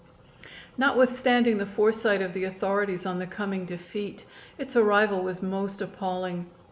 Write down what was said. Notwithstanding the foresight of the authorities on the coming defeat, its arrival was most appalling.